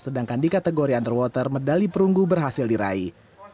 sedangkan di kategori underwater medali perunggu berhasil diraih